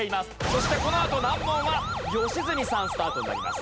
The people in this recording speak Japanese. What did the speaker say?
そしてこのあと難問は良純さんスタートになります。